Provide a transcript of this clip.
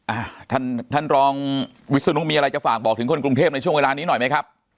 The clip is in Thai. อ่าท่านท่านรองวิศนุมีอะไรจะฝากบอกถึงคนกรุงเทพในช่วงเวลานี้หน่อยไหมครับ